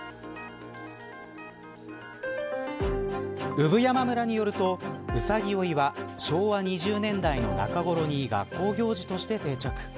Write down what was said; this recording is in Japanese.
産山村によるとうさぎ追いは昭和２０年代の中頃に学校行事として定着。